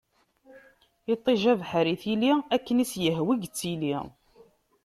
Iṭij, abeḥri, tili ; akken i s-yehwa i yettili.